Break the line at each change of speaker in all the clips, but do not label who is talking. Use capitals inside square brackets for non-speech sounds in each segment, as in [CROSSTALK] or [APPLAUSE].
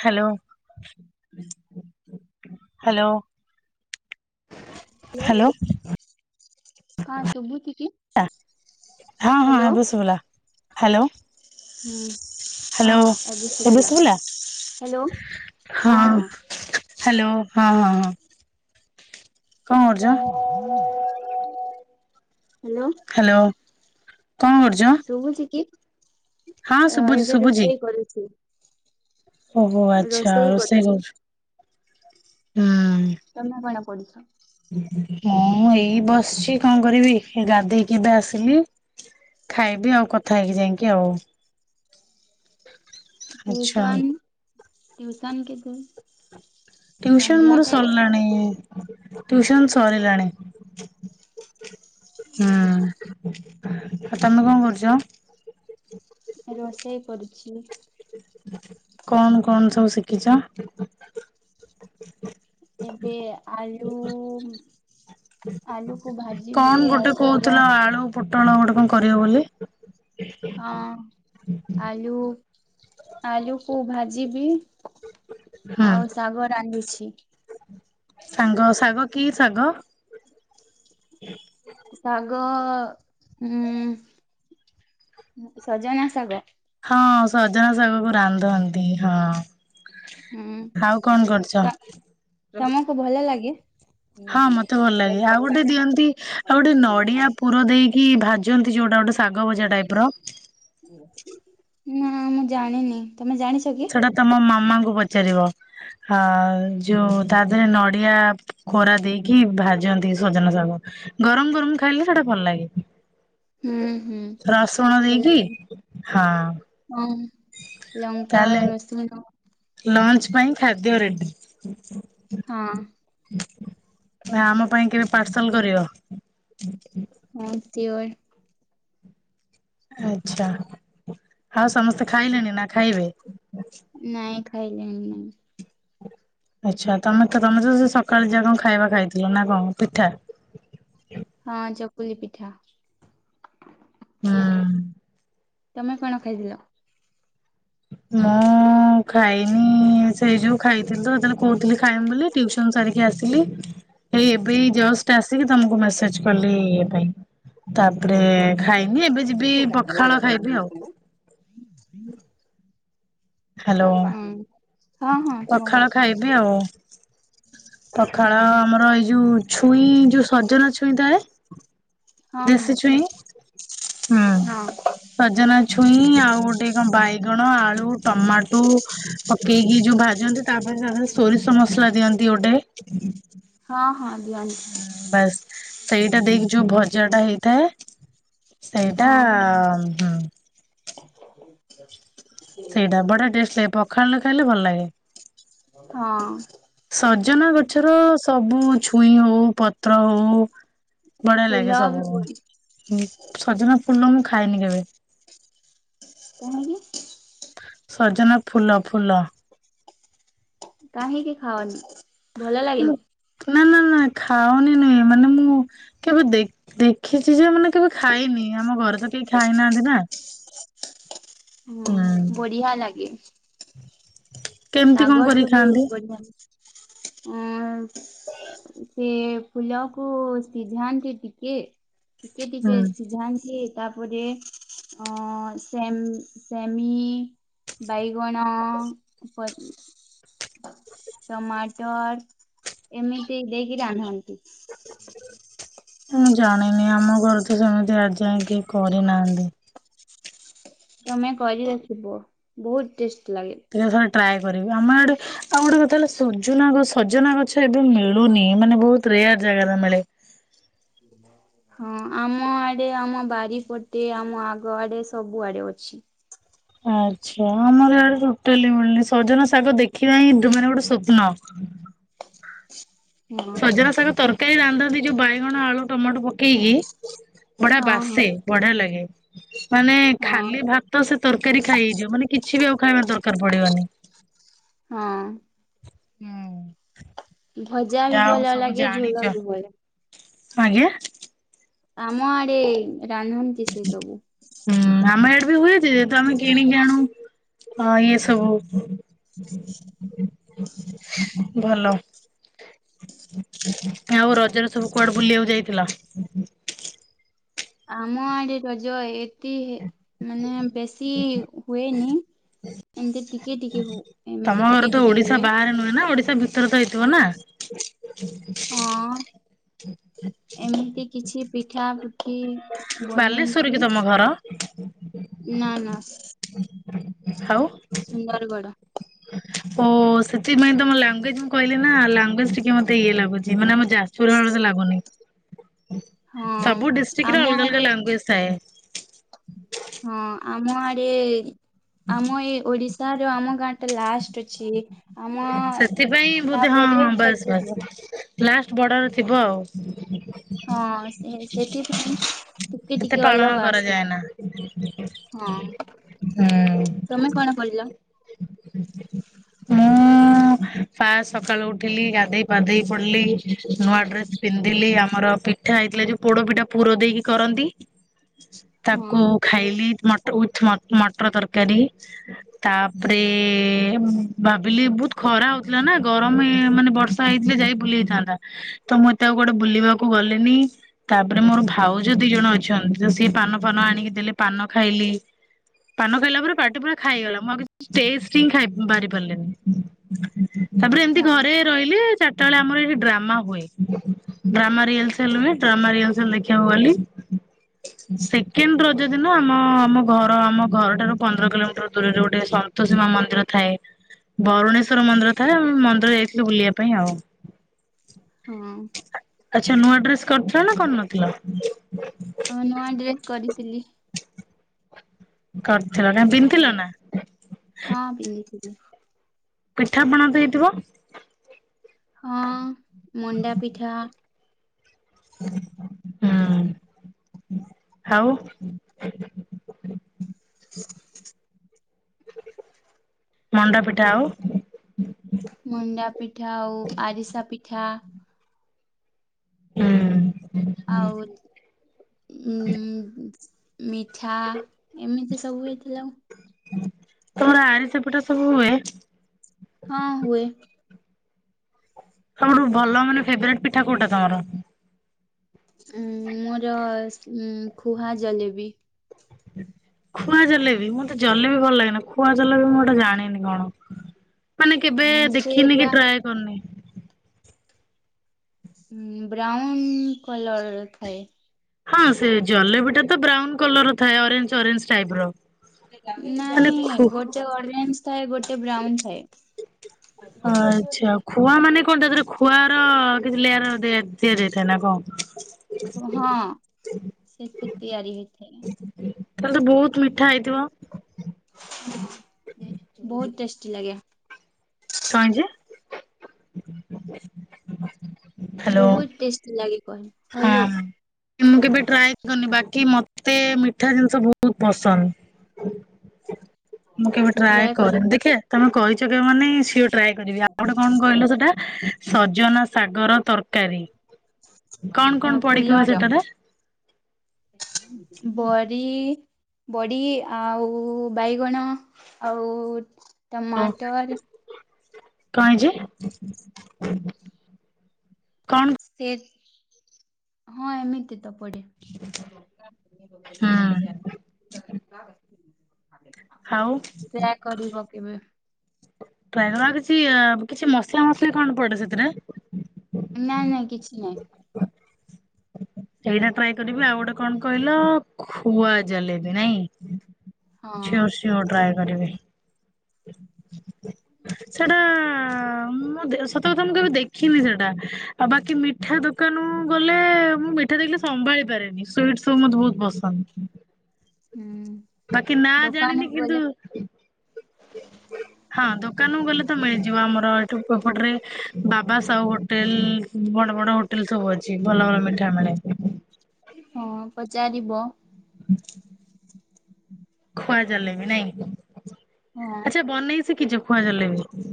Hello. Hello. Hello.
Hello ହଁ ଶୁଭୁଚି କି?
ହଁ ହଁ
ହ୍ୟାଲୋ
ଏବେ ଶୁଭିଲା। ହାଲୋ।
ହୁଁ। ହଁ ଏବେ ଶୁଭିଲା। ହାଲୋ? ହଁ ହଁ।
ହାଲୋ! ହଁ ହଁ ହଁ। କଣ କରୁଛ
[INAUDIBLE] ହାଲୋ?
ହ୍ୟାଲୋ କଣ କରୁଛ
ଶୁଭୁଛି କି?
ହଁ ଶୁଭୁଛି
ଏବେ
ଶୁଭୁଛି
ରୋଷେଇ କରୁଛି।
ଓହୋ ଆଚ୍ଛା ରୋଷେଇ କରୁଚୁ, ହୁଁ।
ତମେ କଣ ପଡିଚ?
ମୁଁ ଏଇ ବସିଚି, କଣ କରିବି ଗାଧେଇିକି ଏବେ ଆସିଲି। ଖାଇବି ଆଉ କଥା ହେଇକି ଯାଇଁକି ଆଉ। ଆଚ୍ଛା
ଟୁସନ୍? ଟ୍ୟୁସନ କେବେ?
ଟିୟୁସନ ମୋର ସରଲାଣି। ଟିୟୁସନ୍ ସରିଲାଣି। ହୁଁ ଆଉ ତମେ କଣ କରୁଚ?
ରୋଷେଇ କରୁଚି।
କଣ କଣ ସବୁ ଶିଖିଚ?
ଏବେ ଆଳୁ ଆଳୁକୁ ଭାଜିବି
କଣ
ଆଉ
ଗୋଟେ
ଶାଗ
କହୁଥିଲ ଆଳୁ ପୁଟ କଣ କରିବ ବୋଲି?
ହଁ ଆଲୁ ଆଲୁକୁ ଭାଜିବି। ଆଉ ଶାଗ ରାନ୍ଧିଛି।
ସାଙ୍ଗ ଶାଗ କି ଶାଗ?
ଶାଗ ଉଁ ସଜନା ଶାଗ।
ହଁ ସଜନା ଶାଗ କୁ ରାନ୍ଧନ୍ତି, ହଁ।
ହୁଁ
ଆଉ କଣ କରୁଛ?
ତ ତମକୁ ଭଲ ଲାଗେ?
ହଁ ମତେ ଭଲ ଲାଗେ ଆଉ ଗୋଟେ ଦିଅନ୍ତି, ଆଉ ଗୋଟେ ନଡିଆ ପୁର ଦେଇକି ଭାଜନ୍ତି ଯୋଉଟା ଶାଗ ଭଜା ଟାଇପ ର।
ନା ମୁଁ ଜାଣିନି। ତମେ ଜାଣିଛ କି?
ସେଟା ତମ ମାମାଙ୍କୁ ପଚାରିବ। ହ ଯୋଉ ତା ଦେହରେ ନଡିଆ କୋରା ଦେଇକି ଭାଜନ୍ତି ସଜନା ସାଗ। ଗରମ ଗରମ ଖାଇଲେ ସେଇଟା ଭଲ ଲାଗେ।
ହୁଁ। ହୁଁ
ରସୁଣ
ଭଲ
ଦେଇକି
ଲାଗେ
ହଁ।
ହଁ ଲଙ୍କା
ତାହେଲେ
ରସୁନ।
ଲଞ୍ଚ ପାଇଁ ଖାଦ୍ୟ ରେଡି।
ହଁ।
ଆମ ପାଇଁ କେବେ ପାର୍ସଲ କରିବ?
ହଁ ତିୱର୍।
ଆଛା, ଆଉ ସମସ୍ତେ ଖାଇଲେଣି ନା ଖାଇବେ?
ନାଇଁ ଖାଇଲେଣି ନାଇଁ।
ଆଚ୍ଛା ତମେ ତ ତମେ ତ ସେ ସକାଳେ ଯା କଣ ଖାଇବା ଖାଇଥିଲ ନା କଣ ପିଠା?
ହଁ ଚକୁଲି ପିଠା।
ହୁଁ।
ତମେ କଣ ଖାଇଥିଲ?
ମୁଁ ଖାଇନି ସେଇ ଯୋଉ ଖାଇ ଥିଲ ସେତେବେଳେ କହୁଥିଲି ଖାଇ ବୋଲି ଟିଉସନ ସାରିକି ଆସିଲି ହେଇ ଏବେ ଜଷ୍ଟ ଆସିକି ତମକୁ ମେସେଜ କଲି ଇ ପାଇଁ ତାପ ତାପରେ
ହଁ
ଖାଇନି ଏବେ ଯିବି ପଖାଳ ଖାଇବି ଆଉ। ହ୍ୟାଲୋ।
ହୁଁ-ହଁ-ହଁ
ପଖାଳ
କୁହ।
ଖାଇବି ଆଉ। ପଖାଳ
ହୁଁ
ଆମର ଏଇ ଯୋଉ ଛୁଇଁ ଯୋଉ ସଜନା ଛୁଇଁ ଥାଏ
ହଁ ହଁ
ଦେଶୀ ଛୁଇଁ ହୁଁ
ହଁ
ସଜନା ଛୁଇଁ ଆଉ ଗୋଟେ କଣ ବାଇଗଣ, ଆଳୁ, ଟମାଟୋ ପକେଇକି ଯୋଉ ଭାଜନ୍ତି ତାପ ସୋରିଷ ମସଲା ଦିଅନ୍ତି ଗୋଟେ
ହଁ। ହଁ ଦିଅନ୍ତି
ହୁଁ ବାସ୍ ସେଇଟା ଦେଇକି ଯୋଉ ଭଜା ଟା ହେଇଥାଏ ସେଇଟା
ହଁ
ହୁଁ ସେଇଟା ବଢିଆ ଟେଷ୍ଟ ଲାଗେ ପଖାଳରେ ଖାଇଲେ ଭଲ ଲାଗେ।
ହଁ।
ସଜନା ଗଛର ସବୁ ଛୁଇଁ ହଉ ପତ୍ର ହଉ ବଢିଆ ଲାଗେ
ଫୁଲ ବି
ସବୁ
ବହୁ
ହଁ। ସଜନା ଫୁଲ ମୁଁ ଖାଇନି କେବେ।
କଣ ହେଇଛି?
ସଜନ ଫୁଲ-ଫୁଲ।
କାହିଁକି ଖାଅନି ଭଲ ଲାଗନି?
ନା ନା ନା ଖାଉନି ନୁହେଁ ମାନେ ମୁଁ କେବେ ଦେଖିଛି ଯେ ମାନେ କେବେ ଖାଇନି ଆମ ଘର ତ କେଇ ଖାଇନାହାନ୍ତି ନା। ହୁଁ।
ବଢିଆ ଲାଗେ।
କେମିତି କଣ
ଶାଗଠୁ
କରିକି
ବି
ଖାଆନ୍ତି?
ବଢିଆ ଆ ସେ ଫୁଲକୁ ସିଝାନ୍ତି ଟିକେ ଟିକେ-ଟକେ
ହୁଁ
ସିଝାନ୍ତି। ତାପରେ ଅ ସେ ଶାମି ବାଇଗଣ
ହ
ପ ଟମାଟର ଏମିତି ଦେଇକି ରାନ୍ଧନ୍ତି।
ମୁଁ ଜାଣିନି ଆମ ଘର ତ ସେମିତି ଆଜି ଯାଏ କେହି କରିନାହାନ୍ତି।
ତମେ କରିଖିବ ବହୁତ ଟେଷ୍ଟ ଲାଗେ।
ଟିକେ ଥରେ ଟ୍ରାଏ କରିବି ଆମର ଆଡେ ଆଉ ଗୋଟେ କଥା ହେଲା ସଜନା ଗଛ-ସଜନା ଗଛ ଏବେ ମିଳୁନି ମାନେ ବହୁତ ରେୟାର ଜାଗାରେ ମିଳେ।
ହୁଁ ହଁ ଆମ ଆଡେ ଆମ ବାରିପଟେ ଆମ ଆଗ ଆଡେ ସବୁଆଡେ ଅଛି।
ହଁ। ଆଚ୍ଛା ଆମର ଏଆଡେ ଟୋଟାଲି ମିଳନି ସଜନ ଶାଗ ଦେଖିବା ହିଁ ମାନେ ଗୋଟେ ସ୍ୱପ୍ନ। ହ
ହଁ
ସଜନା ଶାଗ ତରକାରୀ ରାନ୍ଧନ୍ତି ଯୋଉ ବାଇଗଣ, ଆଳୁ, ଟମାଟୋ ପକେଇକି। ବଢିଆ
ହଁ ହଁ
ବାସେ ବଢିଆ ଲାଗେ। ମାନେ
ହଁ
ଖାଲି ଭାତ ସେ ତରକାରୀ ଖାଇ ହେଇଯିବ ମାନେ କିଛି ବି ଆଉ ଖାଇବା ଦରକାର ପଡିବନି।
ହଁ।
ହୁଁ।
ଭଜା ବି
ଯା ହଉ
ଭଲ
ସବୁ
ଲାଗେ
ଜାଣିଛ
ଝୋଲ ବି ଭଲ
ଆଜ୍ଞା।
ଆମ ଆଡ ରାନ୍ଧନ୍ତି ସେ ସବୁ।
ହୁଁ ଆମ ଆଡେ ହୁଏ ଯେ ତ ଆମେ କିଣିକି ଆଣୁ ଇଏ ସବୁ ଭଲ। ଆଉ ରଜରେ ସବୁ କୁଆଡେ ବୁଲିବାକୁ ଯାଇଥିଲା?
ଆମ ଆଡେ ରଜ ଏତି ମାନେ ବେଶୀ ହୁଏନି। ଏମିତି ଟିକେ ଟିକେ ହଉ ଏମିତି ଟିକେ ଟିକେ ହୁଏ।
ତୋର ତ ହେଇଥିବ ନାଁ?
ହଁ ଏମିତି କିଛି ପିଠା ପୁଠି।
ବାଲେଶ୍ୱର କି ତମ ଘର?
ନାଁ ନାଁ।
ଆଉ
ସୁନ୍ଦରଗଡ଼।
ଓ ସେଥିପାଇଁ ତମ ଲାଙ୍ଗୁଏଜ ମୁଁ କହିଲି ନା ଲାଙ୍ଗୁଏଜ ଟିକେ ମତେ ଇଏ ଲାଗୁଛି ମାନେ ଆମ ଯାଜୁପୁର ଲାଗୁନି
ହଁ
ସବୁ ଡିଷ୍ଟ୍ରିକରେ
ଆମ
ଅଲଗା ଅଲଗା
ଆଡେ
ଲାଙ୍ଗୁଏଜ ଥାଏ।
ହଁ ଆମ ଆଡେ ଆମ ଏଇ ଓଡିଶା ସାର୍ ଆମ ଗାଁ ଟେ ଲାଷ୍ଟ ଅଛି। ଆମ
ସେଥିପାଇଁ ବୋଧେ ହଁ
ତାପରେ
ହଁ ବାସ୍
ଛତିଶଗଡ
ବାସ୍ ଲାଷ୍ଟ ବର୍ଡର ଥିବ ଆଉ
ହଁ ସେ- ସେଥିପାଇଁ ଟିକେ
ଏତେ
ଟିକେ
ପାଳନ
ଅଲଗା ଆସେ
କରାଯାଏ ନାଁ।
ହଁ ତମେ କଣ ପଡିଲ?
ମୁଁ ଉଁ ପା ସକାଳୁ ଉଠିଲି ଗାଧେଇ ପାଧେଇ ପଡିଲି ନୂଆ ଡ୍ରେସ ପିନ୍ଧିଲି ଆମର ପି ପିଠା ହେଇଥିଲା ଯୋଉଁ ପୋଡପିଠା ଟା ପୁର ଦେଇକି କରନ୍ତି ତାକୁ
ହଁ
ଖାଇଲି ମଟର ମଟର ତରକାରୀ ତାପରେ ଭାବିଲି ବହୁତ ଖରା ହଉଥିଲା ନା ଗରମ ମାନେ ବର୍ଷା ହେଇଥିଲେ ଯାଇ ଭୁଲି ହେଇଥାନ୍ତା ତ ମତେ ଆଉ ଗୋଟେ ବୁଲିବାକୁ ଗଲେନି ତାପରେ ମୋର ଭାଉଜ ଦି ଜଣ ଅଛନ୍ତି ତ ସିଏ ପାନ ଫାନ ଆଣିକି ଦେଲେ ପାନ ଖାଇଲି ପାନ ଖାଇଲା ପରେ ପାଟି ପୁରା ଖାଇଗଲା ମୁଁ ଆଉ କିଛି ଟେଷ୍ଟ ହିଁ ଖା ବାରି ପାରିଲିନି ତାପରେ ଏମିତି ଘରେ ରହିଲେ ଚାରିଟା ବେଳେ ଆମର ଡ୍ରାମା ହୁଏ ଡ୍ରାମା ରିଲସଲ ହୁଏ ଡ୍ରାମା ରିଲସଲ ଦେଖିବାକୁ ଗଲି। ସେକେଣ୍ଡ ରଜ ଦିନ ଆମ ଆମ ଘର ଆମ ଘର ଠାରୁ ପନ୍ଦର କିଲୋମିଟର ଦୂରରେ ଗୋଟେ ସନ୍ତୋସୀ ମା ମନ୍ଦିର ଥାଏ। ବରୁଣେଶ୍ୱଵର ମନ୍ଦିର ଥାଏ ମନ୍ଦିର ଯାଇଥିଲି ବୁଲିବା ପାଇଁ ଆଉ।
ହଁ।
ଆଚ୍ଛା ନୂଆ ଡ୍ରେସ୍ କରିଥିଲ ନାଁ କରିନଥିଲ?
ଆ ନୂଆ ଡ୍ରେସ୍ କରିଥିଲି
କରିଥିଲ ନା ପିନ୍ଧଥିଲ ନାଁ?
ହଁ ପିନ୍ଧିଥିଲି
ପିଠାପଣା ତ ହେଇଥିବ।
ହଁ ମଣ୍ଡା ପିଠା
ହୁଁ। ଆଉ ମଣ୍ଡା ପିଠା ଆଉ
ମଣ୍ଡା ପିଠା ଆଉ ଆରିସା ପିଠା
ହୁଁ।
ଆଉ ଉ ମିଠା ଏମିତି ସବୁହେଇଥିଲା।
ତମର ଆରିସା ପିଠା ସବୁ ହୁଏ?
ହଁ ହୁଏ
ସବୁଠୁ ଭଲ ମାନେ ଫେବେରାଇଟି ପିଠା କୋଉଁଟା ତମର?
ଉ ମୋର ଖୁଆ ଜଲେବି।
[UNINTELLIGIBLE] ଖୁଆ ଜଲେବି ମତେ ଜଲେ ବି ଭଲ ଲାଗେନି ଖୁଆ ଜଲେବି ମୁଁ ଏଟା ଜାଣିନି କଣ। ମାନେ କେବେ
ଉଁ
ଦେଖିନି
ସେଟା
କି ଟ୍ରାଏ କରିନି।
ହଁ ବ୍ରାଉାଉନ କଲର ଥାଏ।
ହଁ ସେ ଜଲେବି ଟା ତ ବ୍ରାଉନ କଲର ଥାଏ ଅରେଞ୍ଜ ଅରେଞ୍ଜ ଟାଇପ ର। ମାନେ
ନାଇଁ
ଖୁ
ଗୋଟେ ଅରେଞ୍ଜ ଥାଏ ଗୋଟେ ବ୍ରାଉନ ଥାଏ।
ଆଚ୍ଛା ଖୁଆ ମାନେ କଣ ତାର ଖୁଆର କିଛି ଲେୟାର ଦେ ଦତିଆରି ହେଇଥାଏ ନାଁ କଣ।
ହଁ ସେଠି ତିଆରି ହେଇଥାଏ।
ତାହେଲେ ତ ବହୁତ ମିଠା ହେଇଥିବ।
ବହୁତ ଟେଷ୍ଟି ଲାଗେ।
କଣ ଯେ? ହ୍ୟାଲୋ
ବହୁତ ଟେଷ୍ଟି ଲାଗେ କହିଲି ହାଲୋ।
ହଁ। ମୁଁ କେବେ ଟ୍ରାଏ କରିନି ବା କି ମତେ ମିଠା ଜିନିଷ ବହୁତ ପସନ୍ଦ। ମୁଁ କେବେ ଟ୍ରାଏ କରେନି ଦେଖିବା ତମେ କହିଛ କ ମାନେ ସିଓର୍ ଟ୍ରାଏ କରିବି ଆଉ ଗୋଟେ କଣ କହିଲ ସେଟା? ସଜନା ଶାଗର ତରକାରୀ
ଅ ଫୁଲ୍
ତୁମେ ସେଟାରେ। [INAUDIBLE]
ବରୀ। ବଡି ଆଉ ବାଇଗଣ ଆଉ ଟମାଟର।
କାଇଁ ଯେ କଣ?
ସେ ହଁ ଏମିତି ତ ପଡ଼େ।
ହୁଁ। ଆଉ
ସେୟା କରିବ କେବେ।
ତ୍ରୟ ଗଡା କିଛି କିଛି ମସଲା ମସଲି କଣ ପଡେ ସେଥିରେ?
ନାଇ ନାଇ କିଛି ନହିଁ।
ସେଇଟା ଟ୍ରାଏ କରିବି ଆଉ ଗୋଟେ କଣ କହିଲ ଖୁଆ ଜାଲେବି ନାଇଁ।
ହଁ
ସିୱର୍ ସିୱର୍ ଟ୍ରାଏ କରିବି। ସେଟା ମୁଁ ସତ କଥା ମୁଁ କେବେ ଦେଖିନି ସେଟା ଆଉ ବାକି ମିଠା ଦୋ କାନ କୁ ଗଲେ ମୁଁ ଗଲେ ମୁଁ ମିଠା ଦେଖିଲେ ସମ୍ଭାଳି ପାରେନି ସୁଇଟ୍ସ୍ ସବୁ ମତେ ବହୁତ ପସନ୍ଦ।
ହୁଁ
ବାକି ନା ଜାଣିନି
ଦୋକାନକୁ
କିନ୍ତୁ
ଗଲେ
ହଁ ଦୋକ ଦୋକାନକୁ ଗଲେ ତ ମିଳିଯିବ ଆମର ଏଠୁ ପୋପଟରେ ବାବା ସାହୁ ହୋଟେଲ ବଡ ବଡ ହୋଟେଲ। ଲ୍ ସବୁ ଅଛି ଭଲ ଭଲ ମିଠା ମିଳେ।
ହଁ ପଚାରିବ?
[INAUDIBLE] ଖୁଆ ଜାଲେବି ନାଇଁ
ହଁ
ଆଚ୍ଛା ବନେଇ ଶିଖିଚ଼ ଖୁଆ ଜାଲେବି?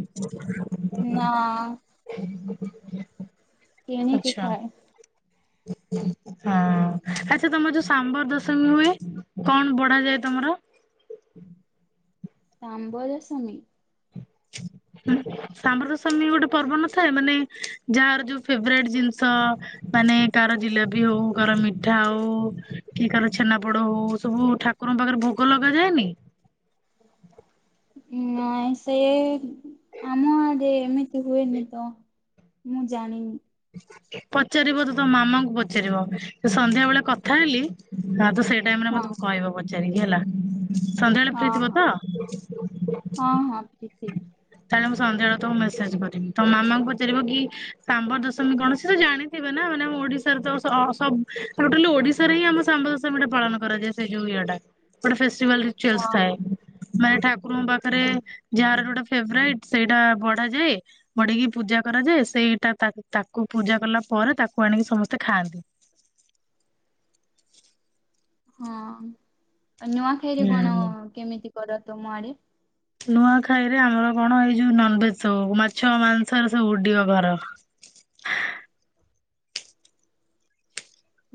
ନାଁ।
[INAUDIBLE]
କିଣିକି
ଆଚ୍ଛା
ଖାଏ।
ହଁ। ଆଚ୍ଛା ତମର ଯୋଉ ସାମ୍ବ ଦଶମୀ ହୁଏ କଣ ବଢାଯାଏ ତମର?
ଶାମ୍ବଦଶମୀ?
[INAUDIBLE] ହୁଁ ଶାମ୍ବଦଶମୀ ଗୋଟେ ପର୍ବ ନଥାଏ ମାନେ ଯାହାର ଯୋଉ ଫେବରାଇଟ ଜିନିଷ ମାନେ କାହାର ଜିଲାପି ହଉ କାହାର ମିଠା ହଉ କି କାହାର ଛେନାପୋଡ ହଉ ସବୁ ଠାକ କୁରଙ୍କ ପାଖରେ ଭୋଗ ଲଗାଯାଏନି?
ନାଇଁ ସେ ଆମ ଆଡେ ଏମିତି ହୁଏନି ତ। ମୁଁ ଜାଣିନି।
ପଚାରିବ ତ ତମ ମାମାଙ୍କୁ ପଚାରିବ ସନ୍ଧ୍ୟା ବେଳେ କଥା ହେଲି ଆଉ ତ ସେ ଟାଇମରେ
ହଁ
ମତେ କହିବ ପଚାରିକି ହେଲା। ସନ୍ଧ୍ୟାବେଳେ
ହଁ
ଫ୍ରି ଥିବ
ହଁ ହଁ
ତ?
ହଁ ପୃଥିବୀ।
ମୁଁ ସନ୍ଧ୍ୟା ବେଳେ ତମକୁ ମେସେଜ କରିବି ତମ ମାମାଙ୍କୁ ପଚାରିବ କି ଶାମ୍ବଦଶମୀ କଣ ସେ ତ ଜାଣିଥିବେ ନା। ମାନେ ଆମ ଓଡିଶାରେ ତ ସବ ଟୋଟାଲି ଓଡିଶାରେ ହିଁ ଆମ ଶାମ୍ବ ଦଶମୀ ଟା ପାଳନ କରାଯାଏ ସେ ଯୋଉ ଇଏଟା। ଗୋଟେ ଫେଷ୍ଟିଭାଲ ରିତୁଲ ଥାଏ
ହଁ।
ମାନେ ଠାକୁରଙ୍କ ପାଖରେ
ହଁ
ଯାହାର ଯୋଉଟ ଫେବରାଇଟ ସେଇଟା ବଢାଯାଏ ବଢିକି ପୂଜା କରାଯାଏ ସେଇଟା ତାକୁ ପୂଜା କଲା ପରେ ତାକୁ ଆଣିକି ସମସ୍ତେ ଖାଆନ୍ତି।
ହଁ ନୂଆଖାଇ ରେ କଣ
ହୁଁ।
କେମିତି କର ତୁମ ଆଡେ?
ନୂଆଖାଇରେ ଆମର କଣ ଏଇ ଯୋଉ ନନଭେଜ ସବୁ ମାଛ ମାଂସରେ ସବୁ ଉଡିବ ଘର।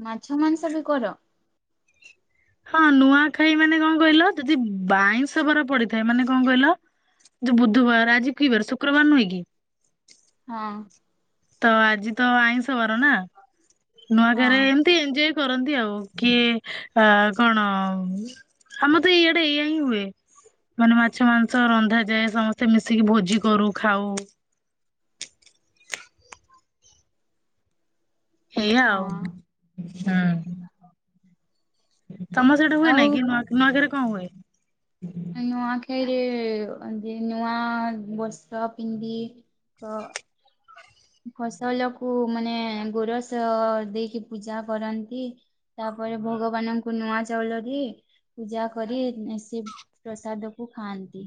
ମାଛ ମାଂସ ବି କର?
ହଁ ନୂଆଖାଇ ମାନେ କଣ କଇଲ ଯଦି ବାଇଁଷ ବାର ପଡିଥାଏ ମାନେ କଣ କଇଲ ଯୋଉ ବୁଧବାର ଆଜି କି ବାର ଶୁକ୍ରବାର ନୁହେଁ କି?
ହଁ।
ତ ଆଜି ତ ଆଇଁଷ ବାର ନା ନୂଆଖାଇ ରେ
ହଁ
ଏମତି ଏନଜୟ କରନ୍ତି ଆଉ କିଏ ଅ କଣ? ଆମତ ଇଆଡେ ଏଇଆ ହିଁ ହୁଏ। ମାନେ ମାଛ ମାଂସ ରନ୍ଧାଯାଏ ସମସ୍ତେ ମିଶିକି ଭୋଜି କରୁ ଖାଉ। ହେଇଆ ଆଉ
ହଁ
ହୁଁ। ତମ ସେଇଟା ହୁଏ
ଆଉ
ନାଇଁ କି ନୂଆ ନୂଆଖାଇ ରେ କଣ ହୁଏ?
ନୂଆଖାଇରେ ନୂଆ ବସ୍ତ୍ର ପିନ୍ଧି କ ଫସଲକୁୁ ମାନେ ଗୋରସ ଦେଇକି ପୂଜା କରନ୍ତି ତା ପରେ ଭଗବାନଙ୍କୁ ନୂଆ ଚାଉଳ ରେ ପୂଜା କରି ସେ ପ୍ରସାଦ କୁ ଖାଆନ୍ତି।